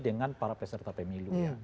dengan para peserta pemilu